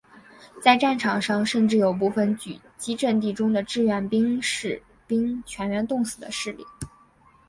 在战场上甚至有部分阻击阵地中的志愿兵士兵全员冻死的事例。